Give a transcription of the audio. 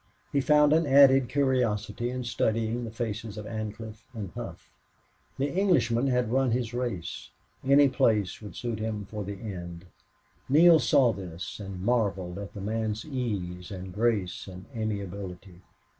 He found an added curiosity in studying the faces of Ancliffe and Hough. The Englishman had run his race. Any place would suit him for the end. Neale saw this and marveled at the man's ease and grace and amiability.